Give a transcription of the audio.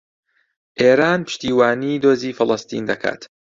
ئێران پشتیوانیی دۆزی فەڵەستین دەکات.